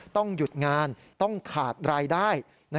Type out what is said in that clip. ต้องหยุดงานต้องขาดรายได้